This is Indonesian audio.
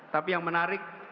tapi yang menarik